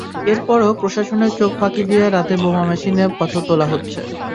এরপরও প্রশাসনের চোখ ফাঁকি দিয়ে রাতে বোমা মেশিনে পাথর তোলা হচ্ছে।